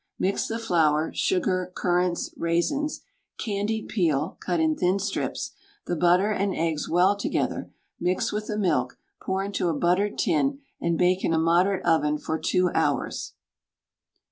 Mix the flour, sugar, currants, raisins, candied peel (cut in thin strips), the butter and eggs well together; mix with the milk; pour into a buttered tin, and bake in a moderate oven for 2 hours.